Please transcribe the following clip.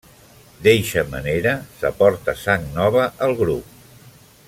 D'eixa manera s'aporta sang nova al grup.